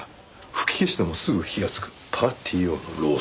吹き消してもすぐ火がつくパーティー用のろうそく。